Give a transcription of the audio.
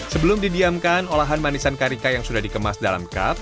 sebelum didiamkan olahan manisan karika yang sudah dikemas dalam kap